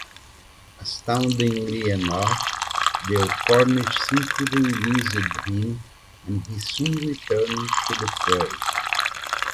Astoundingly enough, the Cornish simply released him and he soon returned to the fray.